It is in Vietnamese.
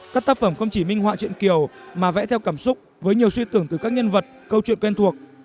các tác phẩm không chỉ minh họa chuyện kiều mà vẽ theo cảm xúc với nhiều suy tưởng từ các nhân vật câu chuyện quen thuộc